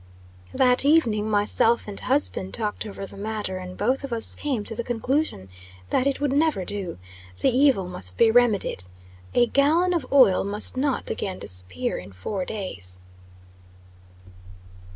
That evening, myself and husband talked over the matter, and both of us came to the conclusion, that it would never do. The evil must be remedied. A gallon of oil must not again disappear in four days.